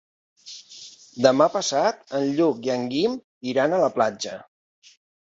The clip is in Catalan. Demà passat en Lluc i en Guim iran a la platja.